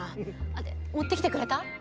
あで持ってきてくれた？